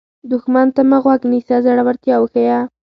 دښمن ته مه غوږ نیسه، زړورتیا وښیه